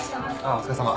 お疲れさま。